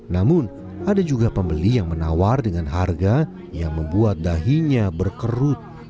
namun ada juga pembeli yang menawar dengan harga yang membuat dahinya berkerut